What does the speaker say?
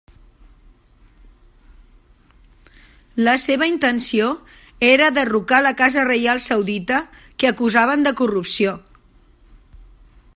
La seva intenció era derrocar la casa reial saudita que acusaven de corrupció.